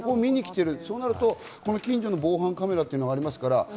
そうなると、近所の防犯カメラがありますから。